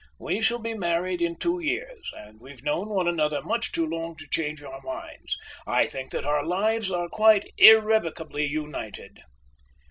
We shall be married in two years, and we've known one another much too long to change our minds. I think that our lives are quite irrevocably united."